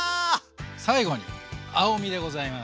最後に青みでございます。